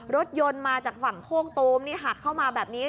รถยนต์มาจากฝั่งโคกตูมนี่หักเข้ามาแบบนี้